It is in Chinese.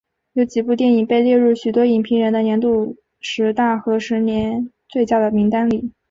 有几部电影被列入许多影评人的年度十大和十年最佳的名单里。